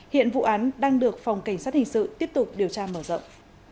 hiện vụ án đang được phòng cảnh sát hình sự tiếp tục điều tra mở rộng